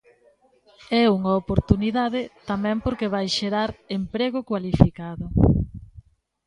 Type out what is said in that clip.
É unha oportunidade tamén porque vai xerar emprego cualificado.